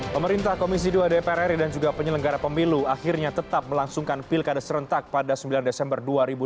pemerintah komisi dua dpr ri dan juga penyelenggara pemilu akhirnya tetap melangsungkan pilkada serentak pada sembilan desember dua ribu dua puluh